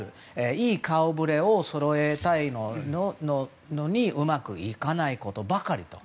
いい顔ぶれをそろえたいのにうまくいかないことばかりと。